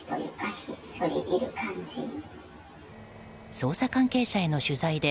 捜査関係者への取材で